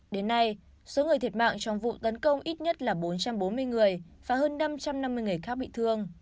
đến nay số người thiệt mạng trong vụ tấn công ít nhất là bốn trăm bốn mươi người và hơn năm trăm năm mươi người khác bị thương